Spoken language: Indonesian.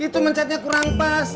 itu mencetnya kurang pas